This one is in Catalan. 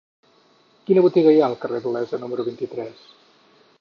Quina botiga hi ha al carrer d'Olesa número vint-i-tres?